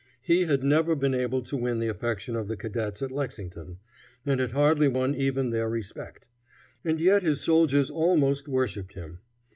He had never been able to win the affection of the cadets at Lexington, and had hardly won even their respect. And yet his soldiers almost worshiped him.